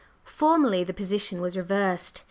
Formerly the position was reversed.